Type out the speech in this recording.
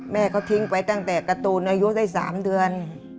แม่ก็ทิ้งไปตั้งแต่กระตูนอายุได้สามเดือน